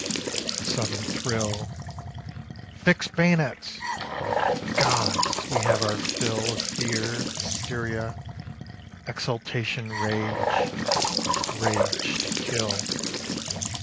A sudden thrill "Fix bayonets!" Gods! we have our fill Of fear, hysteria, exultation, rage, Rage to kill.